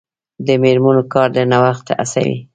د میرمنو کار د نوښت هڅوي.